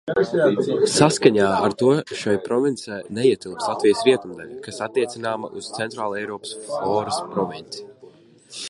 Saskaņā ar to šai provincē neietilpst Latvijas rietumdaļa, kas attiecināma uz Centrāleiropas floras provinci.